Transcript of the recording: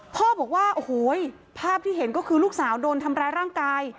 พ่อบอกว่าโอ้โหภาพที่เห็นก็คือลูกสาวโดนทำร้ายร่างกาย